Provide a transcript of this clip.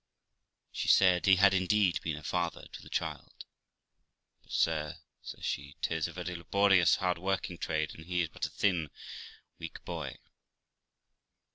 She said he had indeed been a father to the child. But, sir', says she, ''tis a very laborious, hard working trade, and he is but a thin, weak boy.'